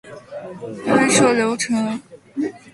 拍摄流程如丝般顺滑